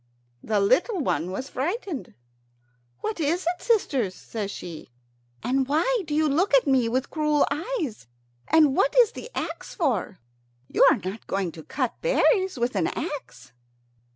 The little one was frightened. "What is it, sisters?" says she; "and why do you look at me with cruel eyes? And what is the axe for? You are not going to cut berries with an axe."